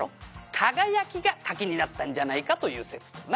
「輝きが柿になったんじゃないかという説とな」